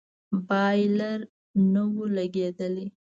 بايلر نه و لگېدلى.